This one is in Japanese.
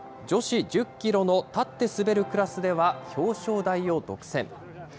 女子１０キロの立って滑るクラスでは表彰台を独占。